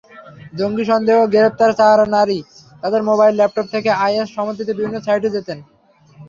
জঙ্গি সন্দেহে গ্রেপ্তার চার নারী তাঁদের মোবাইল, ল্যাপটপ থেকে আইএস-সমর্থিত বিভিন্ন সাইটে যেতেন।